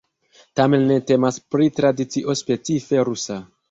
Tamen ne temas pri tradicio specife rusa.